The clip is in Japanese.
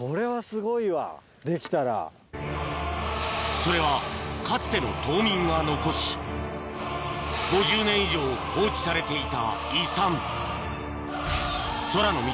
それはかつての島民が残し５０年以上放置されていた遺産空の道